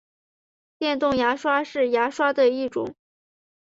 电动牙刷是牙刷的一种。